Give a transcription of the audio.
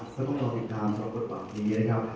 ก็ต้องตามใจตามสำคัญพอดีนะครับ